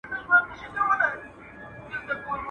o ژړ سپى د چغال ورور دئ.